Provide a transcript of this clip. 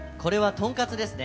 とんかつですか？